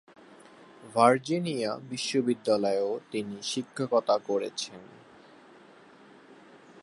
Virginia বিশ্ববিদ্যালয়েও তিনি শিক্ষকতা করেছেন।